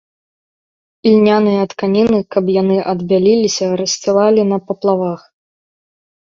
Ільняныя тканіны, каб яны адбяліліся, рассцілалі на паплавах.